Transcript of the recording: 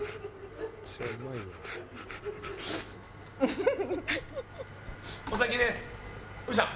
フフフフ！